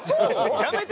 やめて。